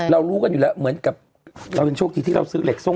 เรารู้กันอยู่แล้วเราก็กลับเป็นโชคริที่เราซื้อเหล็กส้ม